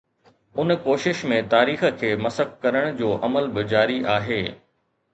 ان ڪوشش ۾ تاريخ کي مسخ ڪرڻ جو عمل به جاري آهي.